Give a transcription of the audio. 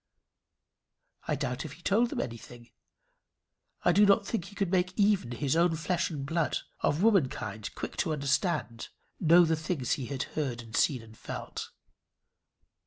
I doubt if he told them anything? I do not think he could make even his own flesh and blood of woman kind, quick to understand know the things he had seen and heard and felt.